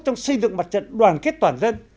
trong xây dựng mặt trận đoàn kết toàn dân